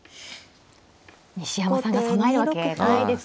西山さんが備えるわけないですか。